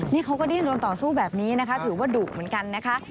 นี่เขาก็ดิ้นโดนต่อสู้แบบนี้นะคะถือว่าดุเหมือนกันนะคะ